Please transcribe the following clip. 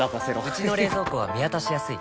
うちの冷蔵庫は見渡しやすい